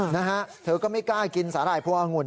นะฮะเธอก็ไม่กล้ากินสาหร่ายพวงองุ่น